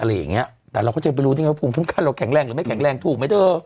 แล้วเราก็จะไปรู้นี่ไงว่าภูมิคุ้มของเราแข็งแรงหรือไม่แข็งแรงถูกมั้ยเธอ